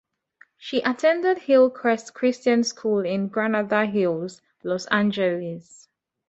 She attended Hillcrest Christian School in Granada Hills, Los Angeles.